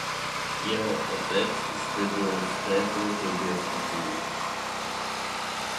Jeho otec zde byl v této době v exilu.